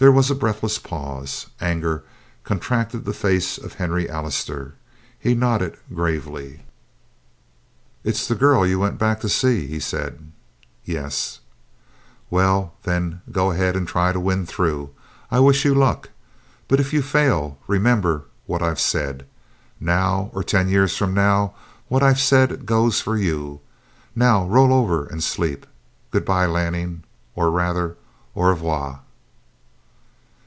There was a breathless pause. Anger contracted the face of Henry Allister; he nodded gravely. "It's the girl you went back to see," he said. "Yes." "Well, then, go ahead and try to win through. I wish you luck. But if you fail, remember what I've said. Now, or ten years from now, what I've said goes for you. Now roll over and sleep. Good by, Lanning, or, rather, au revoir!"